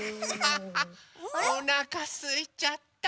おなかすいちゃった。